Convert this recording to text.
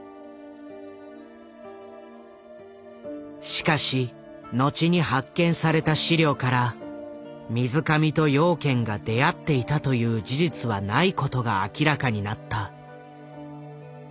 しかし後に発見された資料から水上と養賢が出会っていたという事実はないことが明らかになった。